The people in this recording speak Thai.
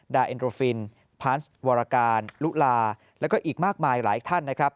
เอ็นโดรฟินพาสวรการลุลาแล้วก็อีกมากมายหลายท่านนะครับ